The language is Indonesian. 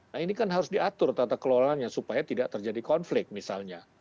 nah ini kan harus diatur tata kelolanya supaya tidak terjadi konflik misalnya